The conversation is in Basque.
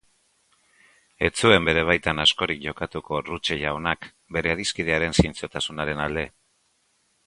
Ez zuen bere baitan askorik jokatuko Ruche jaunak bere adiskidearen zintzotasunaren alde.